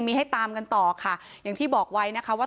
ตำรวจบอกว่าภายในสัปดาห์เนี้ยจะรู้ผลของเครื่องจับเท็จนะคะ